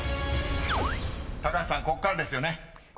［高橋さんこっからですよね？］